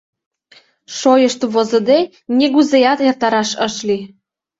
Шойышт возыде, нигузеат эртараш ыш лий.